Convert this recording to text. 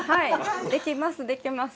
できますできます。